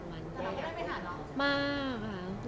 แต่เราก็ได้ไปหาน้องสินะครับ